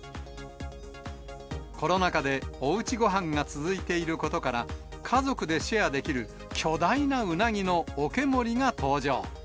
コロナ禍でおうちごはんが続いていることから、家族でシェアできる、巨大なウナギのおけ盛りが登場。